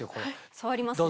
触りますね。